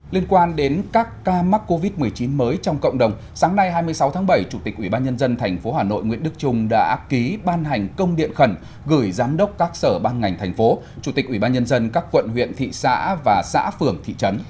liên quan đến các ca mắc covid một mươi chín mới trong cộng đồng sáng nay hai mươi sáu tháng bảy chủ tịch ubnd tp hà nội nguyễn đức trung đã ký ban hành công điện khẩn gửi giám đốc các sở ban ngành thành phố chủ tịch ủy ban nhân dân các quận huyện thị xã và xã phường thị trấn